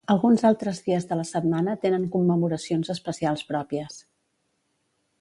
Alguns altres dies de la setmana tenen commemoracions especials pròpies.